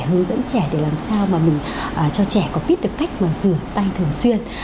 hướng dẫn trẻ để làm sao mà mình cho trẻ có biết được cách mà rửa tay thường xuyên